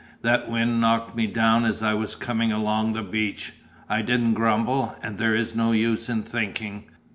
"That wind knocked me down as I was coming along the beach. I didn't grumble, and there is no use in thinking.